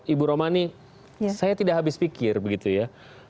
ibu romani saya tidak habis pikir begitu ya